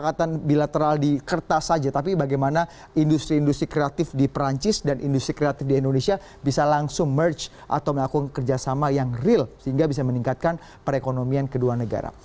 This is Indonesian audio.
karena industri industri kreatif di perancis dan industri kreatif di indonesia bisa langsung merge atau melakukan kerjasama yang real sehingga bisa meningkatkan perekonomian kedua negara